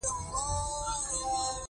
هغه ښاغلي ربیټ ته د ښې ورځې هیله وکړه